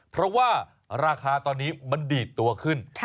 เพราะว่าราคาตอนนี้มันดีดตัวขึ้น